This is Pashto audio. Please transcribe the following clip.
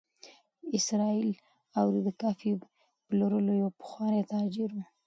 اسراییل اوري د کافي پلورلو یو پخوانی تاجر و.